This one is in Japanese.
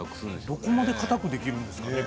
どこまでかたくできるんですかね。